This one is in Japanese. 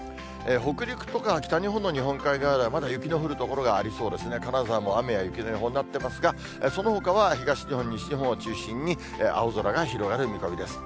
北陸とか北日本の日本海側では、まだ雪の降る所がありそうですね、金沢も雨や雪の予報になってますが、そのほかは東日本、西日本を中心に、青空が広がる見込みです。